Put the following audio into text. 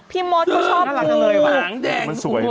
พี่มดก็ชอบหูหางแดง